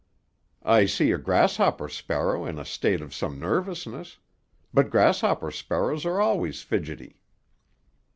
"I see a grasshopper sparrow in a state of some nervousness. But grasshopper sparrows are always fidgety."